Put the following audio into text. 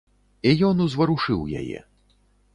І ён узварушыў яе.